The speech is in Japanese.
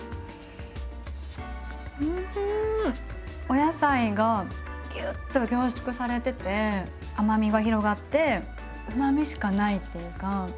お野菜がぎゅっと凝縮されてて甘みが広がってうまみしかないっていうか。